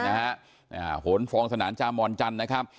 โหลศาสตร์ฟองสนานจามวรจันทร์นะครับ